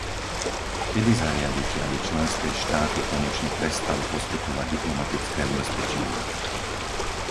Kedy zariadite, aby členské štáty konečne prestali poskytovať diplomatické ubezpečenia?